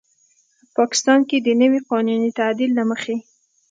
پاکستان کې د نوي قانوني تعدیل له مخې